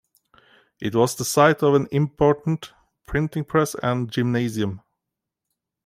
It was the site of an important printing press and "gymnasium".